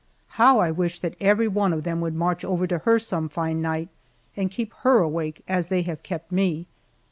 How I wish that every one of them would march over to her some fine night and keep her awake as they have kept me.